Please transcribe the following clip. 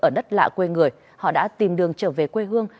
ở đất lạ quê người họ đã tìm đường trở về quê hương